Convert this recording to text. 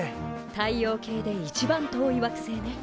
太陽系で一番遠い惑星ね。